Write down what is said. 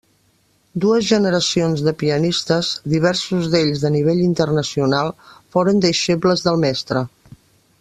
Dues generacions de pianistes –diversos d'ells de nivell internacional—foren deixebles del mestre.